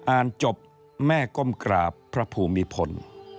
อ่านจบแม่ก้มกราบพระภูมิพล